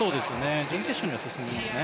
準決勝には進んでいますね。